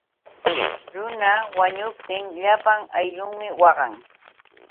Runa wañuptin llapan ayllunmi waqan.